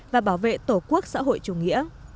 và bảo vệ tổ quốc xã hội chủ nghĩa